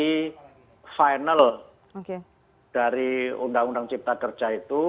ini final dari undang undang cipta kerja itu